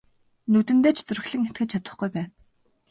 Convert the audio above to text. Нүдэндээ ч зүрхлэн итгэж чадахгүй байна.